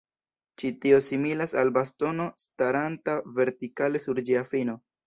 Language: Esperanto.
Ĉi tio similas al bastono staranta vertikale sur ĝia fino.